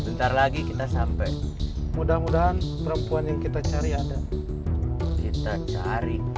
bentar lagi kita sampai mudah mudahan perempuan yang kita cari ada kita cari